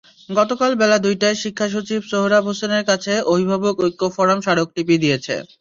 গতকাল বেলা দুইটায় শিক্ষাসচিব সোহরাব হোসেনের কাছে অভিভাবক ঐক্য ফোরাম স্মারকলিপি দিয়েছে।